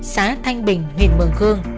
xã thanh bình huyện mường khương